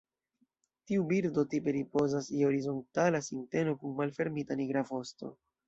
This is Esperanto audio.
Tiu birdo tipe ripozas je horizontala sinteno kun malfermita nigra vosto.